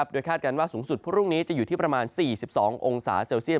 โดยคาดการณ์ว่าสูงสุดพรุ่งนี้จะอยู่ที่ประมาณ๔๒องศาเซลเซียต